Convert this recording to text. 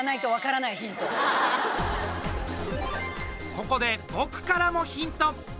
ここで僕からもヒント。